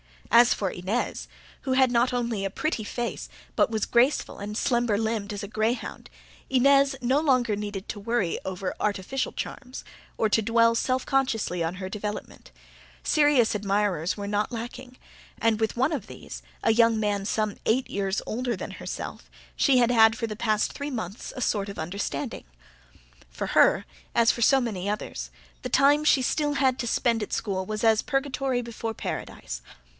As for Inez, who had not only a pretty face but was graceful and slender limbed as a greyhound, Inez no longer needed to worry over artificial charms, or to dwell self consciously on her development; serious admirers were not lacking, and with one of these, a young man some eight years older than herself, she had had for the past three months a sort of understanding. For her, as for so many others, the time she had still to spend at school was as purgatory before paradise.